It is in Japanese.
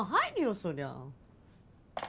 そりゃあ。